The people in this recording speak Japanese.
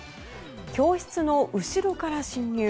教室の後ろから侵入。